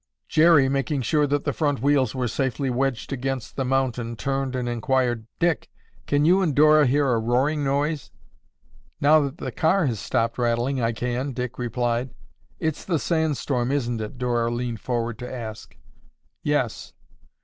Jerry, making sure that the front wheels were safely wedged against the mountain, turned and inquired, "Dick, can you and Dora hear a roaring noise?" "Now that the car has stopped rattling, I can," Dick replied. "It's the sand storm, isn't it?" Dora leaned forward to ask. "Yes."